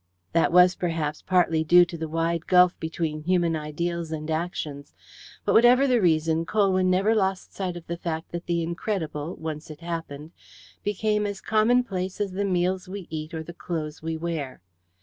That was, perhaps, partly due to the wide gulf between human ideals and actions, but, whatever the reason, Colwyn never lost sight of the fact that the incredible, once it happened, became as commonplace as the meals we eat or the clothes we wear.